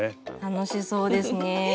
楽しそうですね。